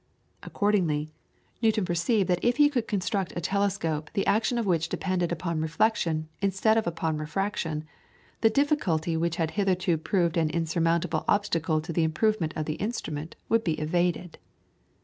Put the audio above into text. Accordingly, Newton perceived that if he could construct a telescope the action of which depended upon reflection, instead of upon refraction, the difficulty which had hitherto proved an insuperable obstacle to the improvement of the instrument would be evaded.